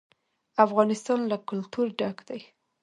افغانستان له کلتور ډک دی.